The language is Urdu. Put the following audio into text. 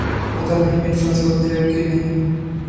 پتا نہیں میرے پاس وقت ہے کہ نہیں